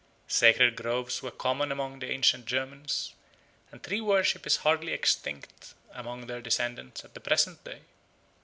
Sacred groves were common among the ancient Germans, and tree worship is hardly extinct amongst their descendants at the present day.